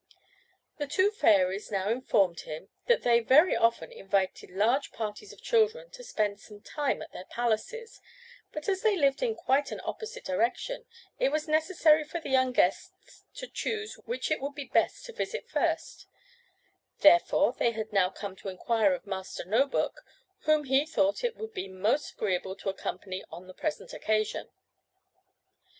The two fairies now informed him that they very often invited large parties of children to spend some time at their palaces, but as they lived in quite an opposite direction, it was necessary for their young guests to choose which it would be best to visit first; therefore they had now come to inquire of Master No book whom he thought it would be most agreeable to accompany on the present occasion.